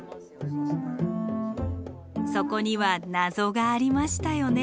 そこには謎がありましたよね。